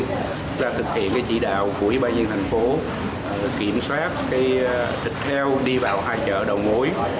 chúng ta thực hiện cái chỉ đạo của ubnd thành phố kiểm soát cái thịt heo đi vào hai chợ đầu mối